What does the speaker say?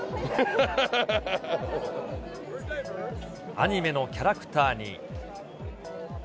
アニメのキャラクターに。